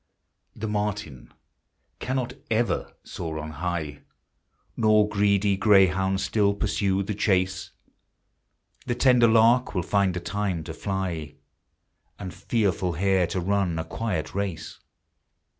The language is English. The merlin cannot ever soar on high, Nor greedy greyhound still pursue the chase; The tender lark will find a time to fly. And fearful hare to run a quiet race.